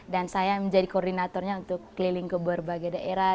dan saya menjadi koordinatornya untuk keliling ke berbagai daerah